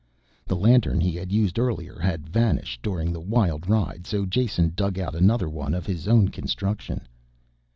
The lantern he had used earlier had vanished during the wild ride so Jason dug out another one of his own construction.